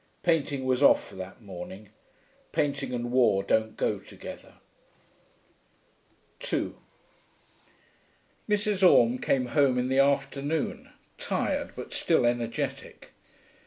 Painting was off for that morning. Painting and war don't go together. 2 Mrs. Orme came home in the afternoon, tired but still energetic.